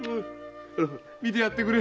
見てやってくれ。